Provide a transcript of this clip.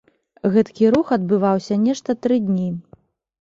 Гэткі рух адбываўся нешта тры дні.